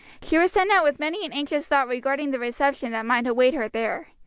She was sent out with many an anxious thought regarding the reception that might await her there.